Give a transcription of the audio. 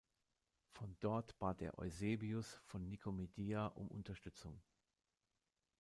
Von dort bat er Eusebius von Nikomedia um Unterstützung.